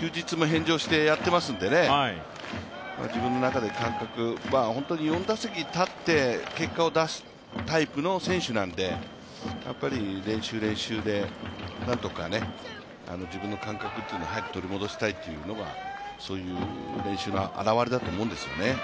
休日も返上してやってますので、自分の中で感覚は、本当に４打席立って結果を出すタイプの選手なんで練習、練習でなんとかね、自分の感覚っていうのを早く取り戻したいっていうのはそういう練習の表れだと思うんですよね。